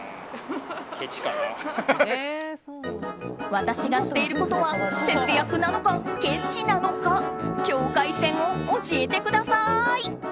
私がしていることは節約なのか、けちなのか境界線を教えてください！